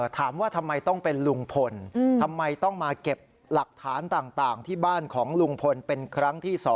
ถามว่าทำไมต้องเป็นลุงพลทำไมต้องมาเก็บหลักฐานต่างที่บ้านของลุงพลเป็นครั้งที่๒